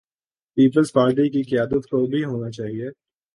Peoples Party کی قیادت کو بھی ہونا چاہیے۔